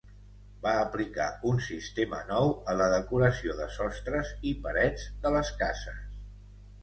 Va aplicar un sistema nou a la decoració de sostres i parets de les cases.